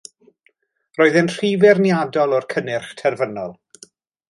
Roedd e'n rhy feirniadol o'r cynnyrch terfynol